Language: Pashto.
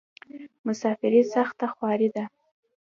مسافري سخته خواری ده.